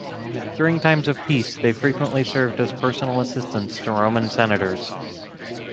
During times of peace they frequently served as personal assistants to Roman senators.